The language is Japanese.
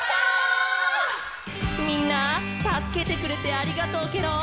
みんなたすけてくれてありがとうケロ。